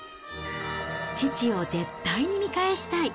父を絶対に見返したい。